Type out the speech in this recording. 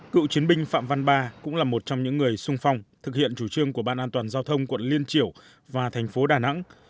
cựu chiến binh phạm văn ba cũng là một trong những người sung phong thực hiện chủ trương của ban an toàn giao thông quận liên triểu và thành phố đà nẵng